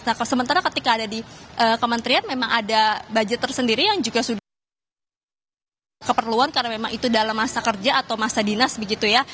nah sementara ketika ada di kementerian memang ada budget tersendiri yang juga sudah keperluan karena memang itu dalam masa kerja atau masa dinas begitu ya